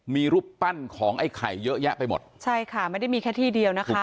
มีรูปปั้นของไอ้ไข่เยอะแยะไปหมดใช่ค่ะไม่ได้มีแค่ที่เดียวนะคะ